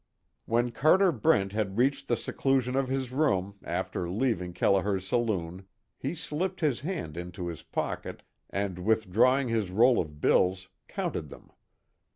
When Carter Brent had reached the seclusion of his room after leaving Kelliher's saloon, he slipped his hand into his pocket and withdrawing his roll of bills, counted them.